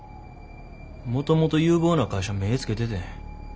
もともと有望な会社目ぇつけててん。